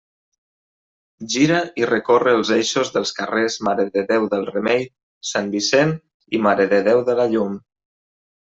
Gira i recorre els eixos dels carrers Mare de Déu del Remei, Sant Vicent i Mare de Déu de la Llum.